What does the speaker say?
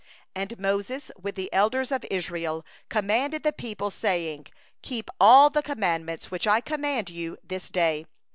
And Moses and the elders of Israel commanded the people, saying: 'Keep all the commandment which I command you this day.